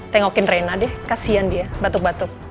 tengokin rena deh kasihan dia batuk batuk